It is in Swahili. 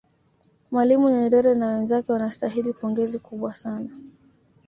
mwalimu nyerere na wenzake wanastahili pongezi kubwa sana